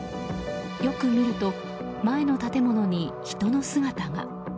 よく見ると、前の建物に人の姿が。